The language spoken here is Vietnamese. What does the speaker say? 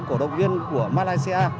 các cổ động viên của malaysia